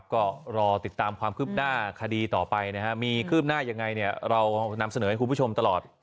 ก็รอติดตามความคืบหน้าคดีต่อไปนะครับมีคืบหน้ายังไงเนี่ยเรานำเสนอให้คุณผู้ชมตลอด